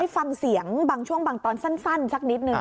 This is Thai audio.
ฟังเสียงบางช่วงบางตอนสั้นสักนิดนึง